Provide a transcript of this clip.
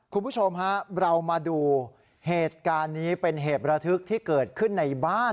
คุณผู้ชมฮะเรามาดูเหตุการณ์นี้เป็นเหตุระทึกที่เกิดขึ้นในบ้าน